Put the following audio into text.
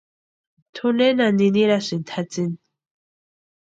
¿Tú nena ninirasïnki tʼatsïni?